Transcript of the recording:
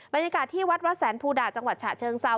บรรยากาศที่วัดวัดแสนภูดาจังหวัดฉะเชิงเซา